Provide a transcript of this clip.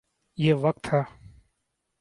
یہ وقت ہے۔